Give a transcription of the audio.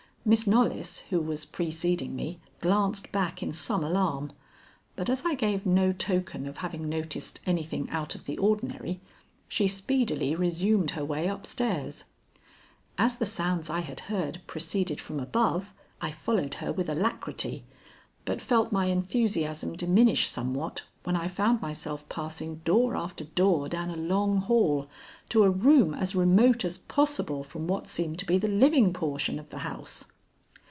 Miss Knollys, who was preceding me, glanced back in some alarm, but as I gave no token of having noticed anything out of the ordinary, she speedily resumed her way up stairs. As the sounds I had heard proceeded from above, I followed her with alacrity, but felt my enthusiasm diminish somewhat when I found myself passing door after door down a long hall to a room as remote as possible from what seemed to be the living portion of the house.